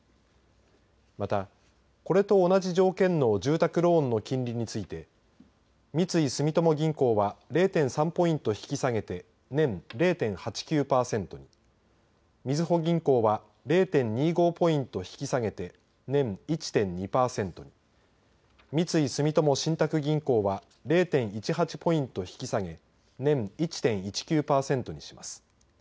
また、これと同じ条件の住宅ローンの金利について三井住友銀行は０．３ポイント引き下げて年０．８９パーセントにみずほ銀行は０．２５ポイント引き下げて年１．２パーセントに三井住友信託銀行は０．１８ポイント引き下げ年１．１９パーセントにします。